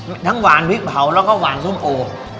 มีทั้งหวานพริกเผาแล้วก็หวานส้มโอ